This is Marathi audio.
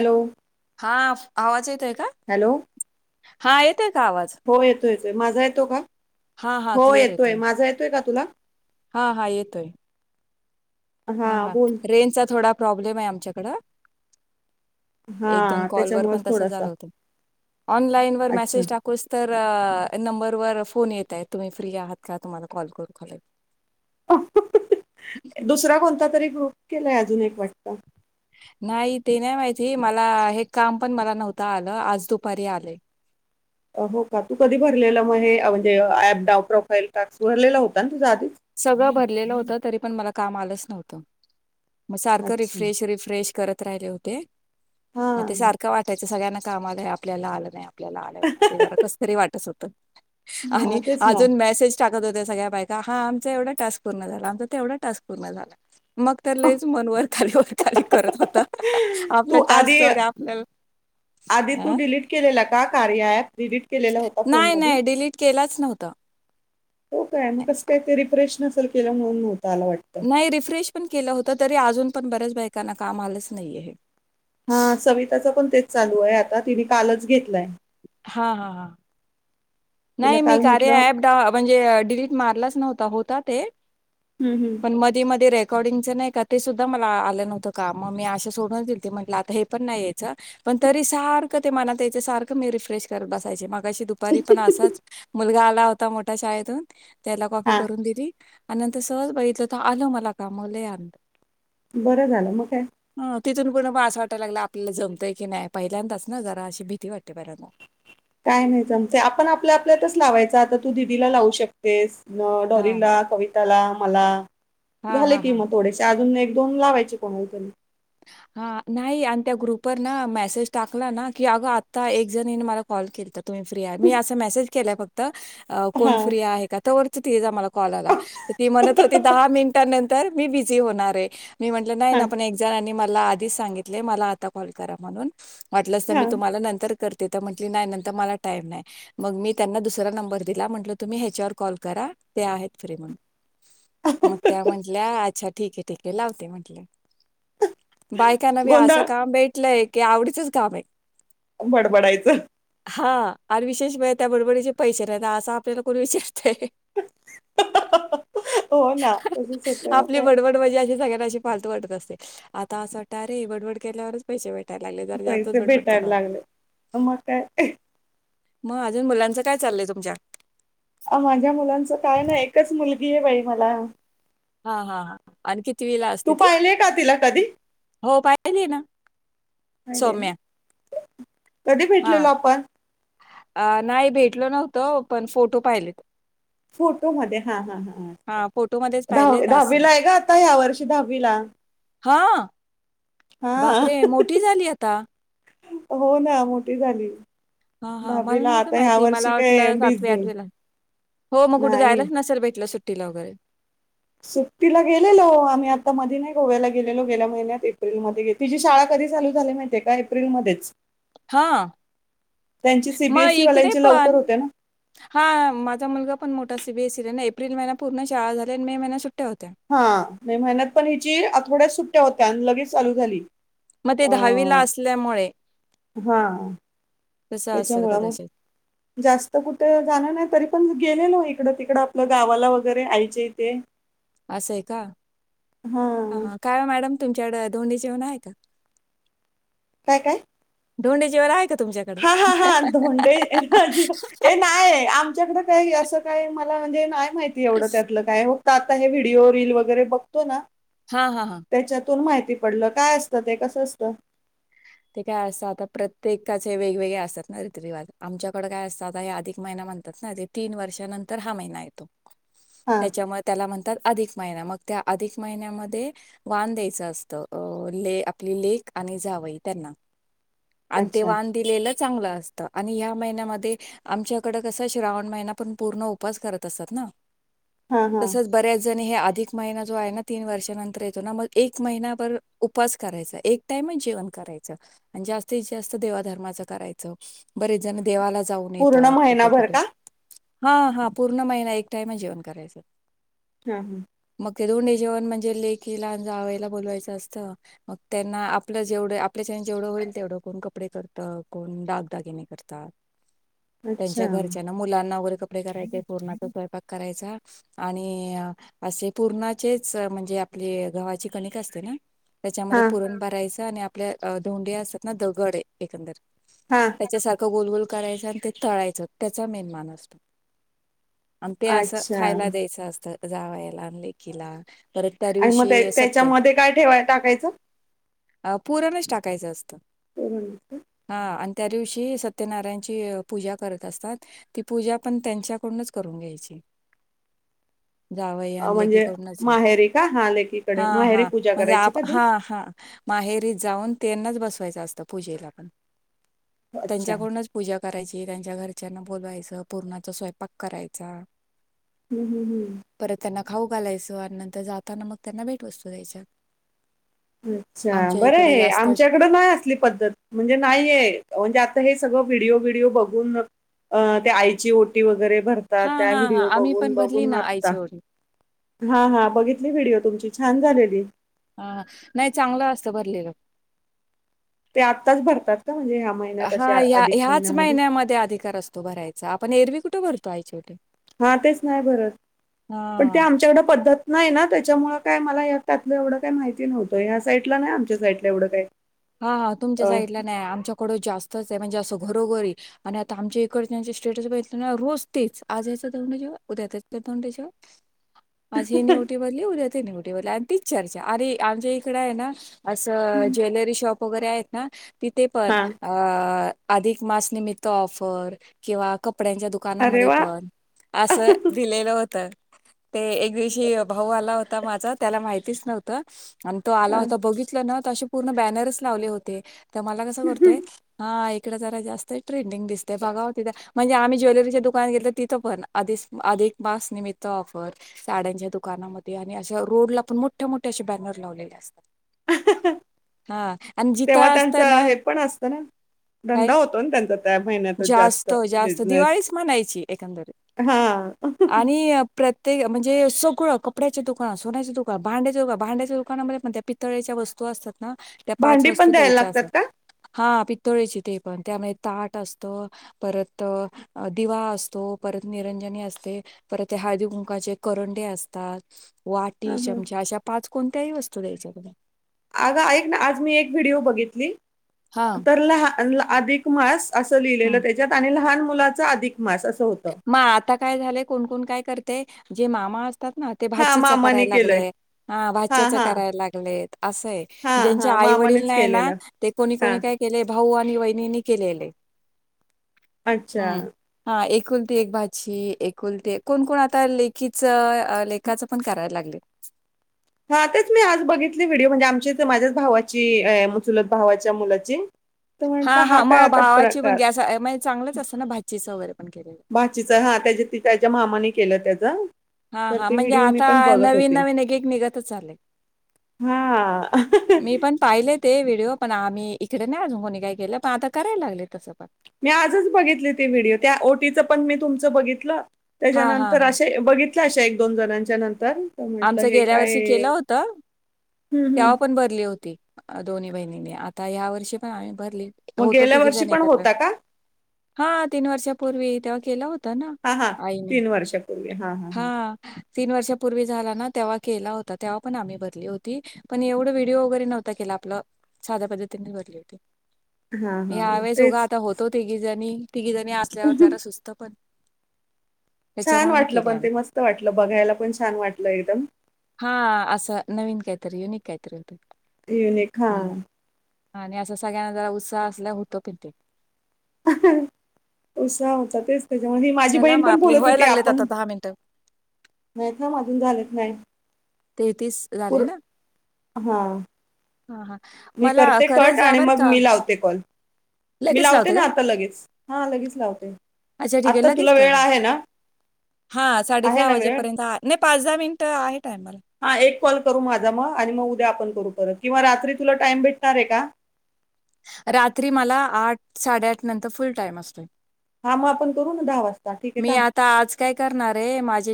हॅलो. हा आवाज येतोय. का? हॅलो. हा येत. पयेतोय का आवाज. हो येतोय येतोय माझा येतो का? हा हा हो क्लिअर येतोय. माझा येतोय का? तुला. हा हा येतोय. हा हा रेंज चा थोडा. प्रॉब्लेम आहे आमच्याकड हा त्याच्यामुळेच थोडासा. ऑनलाईन वर अच्छा मेसेज टाकूस तर नंबर फोन येतायत. तुम्ही फ्री आहात का तुम्हाला कॉल करू का. [inaudible] दुसरा कोणता. दुसरा कोणता तरी ग्रुप केलाय अजून एक वाटतं. नाही ते नाही माहिती. मला हे काम पण मला नव्हतं आलं आज दुपारी आलंय. हो का तू कधी भरलेलं मने म्हणजे ऍप डा प्रोफाईल टास्क भरलेला होता तुझा आधी सगळं भरलेलं होत तरी पण मला काम आलंच नव्हतं. मं सारखं अच्छा रिफ्रेश रिफ्रेश करतं. राहिले होते. हा म ते सारखं वाटायं ते सगळ्यांना काम आलयं आपल्याला आलं नाही आ आलय ना ते जरा कसं तरी वाटत होतं. श आणि हा तेच ना अजून मेसेज टाक. सगळ्या बायका. हा आमचा एवढा टास्क पूर्ण झाला. आमचा तेवढा टास्क पूर्ण झाला. मग तर लयचं वरखाली वरखाली करत होत. हिईई तू आधीअं आधी तू अ? डिलीट केलेलं का कार्या अँप. डलीट नाही नाही डिलीट के लाच नव्हता हो काय मंकस काय ते रिफ्रेश [unintelligible] [unintelligible] नाही रिफ्रेश पण केलं होत तरी अजून पण बऱ्याच बायकांना काम आलंच नाहीये हे हाअं सविताचं पण तेच चालू आहे आता तिनी कालच घेतलायं. हा हा हा तिला नाही मी काल कार्या म्हटलं ऍप डं म्हणजे डिलीट मारलाच नव्ह ता होता ते हं, हं. [inaudible] पण मधी मध्ये रे कॉर्डंगचं नाही का ते सुदा मला आलं न्हवतं का म मी असं सोडूचं दिल्टी म्हटलं आता हे पण नाहीयेच पण तरी साआ रखं ते मनातं सारख मी रिफ्रेश करत बसायचे मगाशी दुपारी पण असाचं मुलगा आला होता मोठ्या शाळेतून त्याला कॉपी हां, करून दिली. आणिनंत सहज बघितलं त आलं मला काम लयअंत बरं झालं मग काय? तिथून पूण म असं वाटायला लागला आपल्याला जमतंय की नाही पहिल्यांदाच ना जरा अशी भीती वाटते पऱ्यांदा काय नाही चमचंय आपण आपल्या आपल्यातच लावायच आता तू दिदीला लावू शकतेस. मं डॉली हा ला कविताला [unintelligible] हा झाले हा हा कि म थोडेसे अजून नाइ टोन्ग लावायचे कोनालंतरी हा नाही आनं त्या ग्रुपवर ना मेसेज टाकला ना की अगं आता एक जणीने मला कॉल केलतं तुम्ही फ्री आहा मी असं मेसेज केला फक्त अं कोण हां, फ्री आहे का तर जा मला कॉल आला. ती म्हणत होती, 'दहा मिनिटां नंतर मी बिझी होणार आहे'. मी म्हटलं नाही हां, ना, पण एक- मला आधीच सांगितले, 'मला आता कॉल करा म्हणून'. म्हटलं, तर मी हां. तुम्हाला नंतर करत- ते तर म्हटले, 'नाही नंतर मला टाईम नाही' मग मी त्यांना दुसरा नंबर दिला म्हटलं, 'तुम्ही ह्याच्यावर कॉल करा, ते आहेत फ्री म्हणून'. मग त्या म्हंटल्या, 'अछ-' ठीक आहे, ठीक आहे, लावते, म्हटले बायकाांना बी असं गोंधळ काम भेटलंय. क आवडीचच काम आहे. बडबडायचं. हा, आणि विशेष म्ह त्या बडबडीचे पैसे राहता असा आपल्याला करून वि- हो ना, तसंच होतंय मग आपली काय. बडबड मजी अशी सगळ्यांशी पालत वाटत असते. आता असं वाटत रे बडबड केल्यावरच पैसे भेट पैसे भेटायला लागले मग काय. मग अजून मुलांचं काय चाललंय तुमच्या? अ, माझ्या मुलांचं काय नाही एकच मुलगी बाई मला. हा हा ह! आणि किती विला तू असते ती? पाहिलीये का तिला कधी? हो- अे ना अे ना सौम्या. कधी हां. भेटलेलो आपण? अ.. नाही भेटल नव्हतं, पण फोटो पाहिलेत. फोटो मध्ये.. हा हा ह! हां, फोटोमध्येच दहा पाहिलेत असं. दहावीला आहे ग, आता ह्या वर्षी दहावीला. हा हा बापरे! मोठी झाली आता. हो ना मोठी झाली. हा हा! मला दहावीला नव्हत आता ह्या माहिती, वर्षी मला काय वाटलं सातवे बिझी आठवेला, हो, मग कुठे नाही जायलाच नसेल भेटलं सुट्ट- ला वगैरे? सुट्टीला गेलेलो आम्ही आता मध्ये. नाही, गोव्याला गेलेलो गेल्या महिन्यात- एप्रिलमध्ये! तिची शाळा कधी चालू झाली माहितीे का? एप्रिलमध्येध्येच! हा, त्यांची मग सीबीएसई इकडे वाल्यांची लवकर पण... होते ना हा माझा मुलगा- पण मोठा सीबीएससी एप्रिल महिना पूर्णचाळा झालेय आणि मे महिना सू - हा, नाही, मेहनत पण ह्याची... आ, थोड्या सु- होत्या आणि लगेच चालू झाली. मग ते दहावीला अं, असल्यामुळे. हा, तसं असेल त्याच्यामुळ कदाचित. मग जास्त कुठे जाणं नाही तरी. आपण गेलेलो इकडं तिकडं आपलं गावाला वगैरे आईचे ते असं आहे का ह ह काय मॅडम तुमच्याकड दोंडी जेवण आहे का काय काय ढोंडे जेवण आहे का तुमच्याकडं? हा हा हा धोंडेजी हे नाही आमच्याकडे का असं काय मला म्हणजे नाही माहिती एवढं त्यातलं काय हो आता हे व्हिडिओ रील वगैरे बघतो ना हां, हां, हां. त्याच्यातून माहिती पडलं काय असतं ते? कसं असतं? ते काय असं आता प्रत्येकाचे वेगवेगळे असतात ना रीतरिवाज. आमच्याकडं काय असतात हे अधिक महिना म्हणतात ना. ते तीन वर्षानंतर हा महिना येतो. हा त्याच्यामुळे त्याला म्हणतात अधिक महिना. मग त्या अधिक महिन्यामध्ये वान द्यायचं असतं. ले आपली लेक आणि जावयी. त्यांना. आणि ते अच्छा वान दिलेलं चांगलं अस आणि ह्या महिन्यामध्ये आमच्याकडे कसं श्रावण महिना पण पूर्ण उपास करत असतात ना. हा हा तसच बऱ्याच ज आणि हे अधिक महिना जो आहे ना तीन वर्षानंतर येतो ना, मग एक महिनाभर उपास करायचा. एक टाइमचं जेवण करायचं. जास्तीत जास्त देवा-धर्माच करायचं. बरेच जण देवा जाऊन पूर्ण येतात. कुठे महिनाभर कुठे का हा हा पूर्ण महिना एक टाइम जेवण करायचं. हा हा. दोंडी जेवण म्हणजे लेकीला आणि जावयाला बोलवायचं असतं. मग त्यांना आपलं जेवढं आप आपल्याच्यान जेवढं होईल तेवढं कोण कपडे करतं, कोण दागदाागिने करतात. अच्छा त्यांच्या घरच्या ना मुलांना वगैरे कप कडे करायचे. पूर्णाचा स्वयंपाक करायचा आणि असे पूर्णाचेच त्याच्यामध्ये हा पुरण बरायच न्याप आपल्या धोंडी असत ना. दगड ये एकंदर हा त्याच्या तो गोलगोल करायचं आणि ते तळायचं त्याचा मेन मान असतो. आणि ते असं अच्छा खायला द्यायचं असतं. जावायला आण लेकिला. आणि मग त्या त्याच्यामध्ये काय ठेवाय टाकायचं? अप पुरणच टाकायचं असतं. पुरण का? हा आणि त्या दिवशी सत्यनारायणची पूजा करत असतात, ती पूजा पण त्यांच्याकडूनच करून घ्यायची. जावई अ, आणले की म्हणजे करूनचय. माहेरी का? हां, हा लेकीकडे. माहेरी हा पूजा म्हणजे करायची आप का ती? हा हा माहेर जाऊन त्यांनाच बसवायचं असतं पूजेला पण अच्छा. त्यांच्याकडूनच पूजा करायची, त्यांच्या घरच्यांना बोलवायचं. पूरणाचा स्वयंपाक करायचा. हम् हम् हम्म. परत त्यांना खाऊ घालायचं आणि नंतर जाताना मग त्यांना भेट वस्तू द्यायच्या. अच्छा आमच्या बर. इकडे जास्त आमच्याकड नाही असली पद्धत, म्हणजे नाहीये म्हणजे आ हे सगळं व्हिडिओ - व्हिडिओ बघून त्या आईची ओटी वगैरे, भरतात. हां, त्या हां, हां. व्हिडीओ आम्ही बघून- पण भरली बघुन ना आता. आईची ओटी. हा - हा बघितले व्हिडीओ भ तुमची छान झालेली. हा नाही चांगलं असतं भरलेलं. ते आत्ताच भरतात का म्हणजे ह्या महिन्यात हा अशा ह्या अधिक ह्याच महिन्यामध्ये अधिकार असतो भरायचा. आपण एरवी कुठे भर आईची ओटी. हा तेच नाही भरत. पण ते हां. आमच्याकड पद्धत नाही ना त्याच्यामुळं काय मला या त्यातलं एवढं काय माहिती नव्हतं. या साईटला नाही आमच्या साईटला एवढं काय. हा हा तुमच्या साइडला नाही. आमच्याकड जास्तचय म्हणजे असं घरोघरी आणि आता आमच्या इकडच्याचे स्टेटस बघितले न, रोज तेच, आज याचं धोंड जेवण, उद्या त्याचं धोंड जेवण. आज हेनी ओटी भरली उद्या त तेनि ओटी भरली आणि तीच चर्चा, अरे आमच्या इकड आहे ना, अ, असं ज्वेलरी शॉ प वगैरे आहेत ना, तिथे पण हा अ अधिक मास निमित्त ऑफर किंवा कप ड्यांच्या अरे दुकानामध्ये वा पण असं दिलेलं होतं. ते एक दिवशी भाऊ आला होता माझा, त्याला माहितीच नव्हतं आणि तो आला हा. होता बघितलं ना तशी पूर्ण बॅनर्स लावले होते. तर मला कसं करतोय. हा आई तिकड जरा जास्त ट्रेंडिंग दिसते बघाव तिथे म्हणजे आम्ही ज्वेलरीच्या दुकानात घेतलं तिथं पण आधी आधिक मास निमित्त ऑफर साड्यांच्या दुकानामध्ये आणि अशा रोड ला पण मोठ्या मोठे असे बॅनर लावलेले असतात. हा तेव्हा जिथं त्यांच असतं ना हे पण असतं ना काय धंदा होतो ना त्यांचा त्या महिन्यात जास्त जास्त बिजनेस दिवाळीच म्हणायची एकंदरीत हा आणि अ, प्रत्येक म्हणजे सगळं कपड्याचे दुकान सोन्याचे दुकान भांड्याचे दुकान भांड्याच्या दुकानामध्ये त्या पितळ्याच्या वस्तू असतात ना त्या पाच भांडी पण वस्तू द्यायला द्यायच्या असतात लागतात का पीतळेची ते पण त्यामध्ये ताट असत परत दिवा असतो परत निरंजनी असते परत ते हळदी कुंकाचे करंडे असतात. हा, वाटी हा. चमचा अशा पाच कोणत्याही वस्तू द्यायच्या बदलून अग ऐक ना आज मी एक व्हिडिओ बघितली हा तर लहाण अधिक मास असं हम्म. लिहिलेलं त्याच्यात आणि लहान. मुलाच अधिक मास. होतं म आता काय झालं कोण कोण काय करते. ते जे मामा असतात ते. म्हणतात ना ते हा भाचीच मामाने करायला केलंय लागलंय हा भाच्याच करायला लागलेय, असंय हा ज्यांच्या हा आई वडील मामानेच नाही ना केलेलं ते कोणी हा कोणी काय केले भाऊ. वहिनी केलेले. अच्छा हम्म हा एक. एक भाजी एकुलते कोण कोण आता लेखीच लेखाच पण करायला लागले. हा तेच मी आज बघितली व्हिडिओ म्हणजे आमच्या माझ्याच भावाची म्हणजे चुलत भावाच्या मुलाची. तर हा म्हंटल हा काय मग आता भावाची पण प्रकार ग चांगलंच असत ना भाचीच. [inaudible] भाचीच हाय हा त्याचीच त्याच्या मामाने. केलं त्याचा. हा हा म्हणजे आता नवीन नवीन एक निघतच आले हा मी पण पाहिले ते. पण आम्ही इकडे नाही अजून कोणी काय केलं पण आता करायला लागले तसं पण. मी आजच बघितली ते व्हिडिओ त्या ओटीचं पण मी तुमचं बघितलं. हां, हां, त्याच्यानंतर हां. असे बघितले. अशा एक दोन जणांच्या नंतर. तर म्हटलं आमच हे गेल्या काय वर्षी केल हम्म, होत हम्म. तेव्हा पण भरली होती दोन्ही बहिणी. आता हया वर्षी पण आणि. भरली मग होत गेल्या तिघी वर्षी जण पण एकत्र होता का हा तीन वर्ष. पूर्वी तेव्हा केला होत. हा हा तीन वर्षापूर्वी हा हा हा. तीन वर्षपूर्वी. झाला ना तेव्हा केला होता तेव्हा पण आम्ही भरली होती पण एवढं व्हिडिओ वगैरे नव्हता के आपलं साध्या पद्धतीने भरली होती. हा हा यावेळेस उघा तेच आता होतो ते की जणी. तिकी जणी असल्यावर जरा सुस्त पण. छान त्याच्यामुळे मग वाटलं केली पण आम्ही. ते मस्त वाटलं बघायला पण छान वाटलं एकदम. हा असं नवीन काहीतरी युनिक काहीतरी होते. युनिक हा. आणि असं सगळ्यांना जरा उत्साह असल्या होतो पण ते. [unintelligible] उत्साह होता तेच. त्याच्यामध्ये माझी चला बहीण मग पण आपले बोलत होती व्हायला लागलेत आपण. आता दहा मिनिटं नाही कामजून झालेत नाही तेहतीस झाले पर ना हा... हां हां मी मला करते करायचं कट जा आणि बरं मग का मी लावते कॉल मी लगेच लावते ना का आता लगेच हा लगेच लावते आता त.... हा आहे साडेसहा ना वेळ वाजेपर्यंत आहे पाच दहा मिनिटे आहेत. ह म [inaudible] हा एक कॉल करू माझा मग आणि मग उद्या... किंवा रात तुला टाम भेटणार आहे का. रात्री मला आठ साडे आठ नंतर फुल टाइम असतोय. हा मग आपण करू ना दहा वाजता ठीक आहे मी थांब आता आज काय करणार आहे माझे.